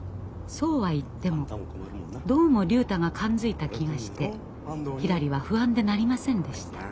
そうは言ってもどうも竜太が勘づいた気がしてひらりは不安でなりませんでした。